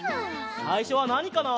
さいしょはなにかな？